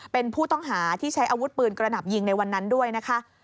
เป็นผู้ต้องหาที่ใช้อาวุธปืนกระหน่ำยิงในวันนั้นด้วยนะคะ